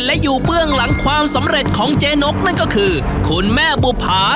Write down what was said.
และอยู่เบื้องหลังความสำเร็จของเจ๊นกนั่นก็คือคุณแม่บุภา